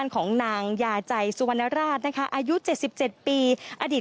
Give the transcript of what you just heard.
ของนางยาใจสุวรรณราชนะคะอายุเจ็ดสิบเจ็ดปีอดีต